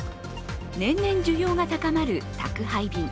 年々需要が高まる宅配便。